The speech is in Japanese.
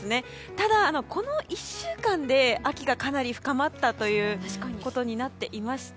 ただ、この１週間で秋がかなり深まったということになっていまして。